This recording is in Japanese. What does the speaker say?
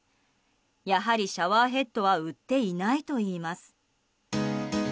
やはり、シャワーヘッドは売っていないといいます。